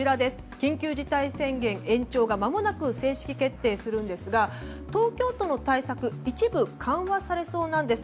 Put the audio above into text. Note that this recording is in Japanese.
緊急事態宣言延長がまもなく正式決定するんですが東京都の対策一部緩和されそうなんです。